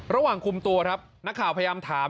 ระหว่างคุมตัวครับนักข่าวพยายามถาม